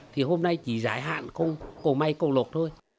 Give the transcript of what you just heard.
thì hôm nay chỉ giải hạn không cổ may cầu lộc thôi